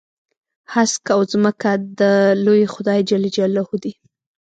هسک او ځمکه د لوی خدای جل جلاله دي.